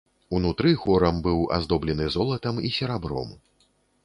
Унутры хорам быў аздоблены золатам і серабром.